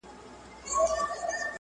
او خپل بار وړي خاموشه